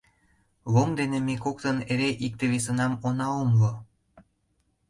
Лом дене ме коктын эре икте-весынам она умыло.